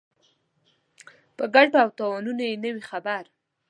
په ګټو او تاوانونو یې نه وي خبر.